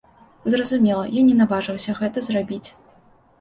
Зразумела, я не наважыўся гэта зрабіць.